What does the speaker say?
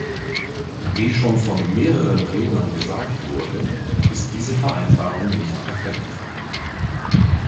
Wie schon von mehreren Rednern gesagt wurde, ist diese Vereinbarung nicht perfekt.